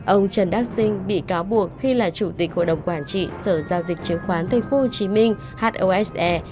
ông trần đắc sinh bị cáo buộc khi là chủ tịch hội đồng quản trị sở giao dịch chứng khoán tp hcm hose